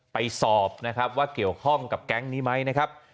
ไปสอบนะครับว่าเกี่ยวข้องกับแก๊งนี้ไหมนะครับ